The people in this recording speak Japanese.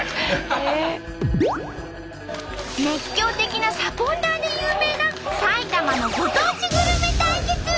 熱狂的なサポーターで有名な埼玉のご当地グルメ対決！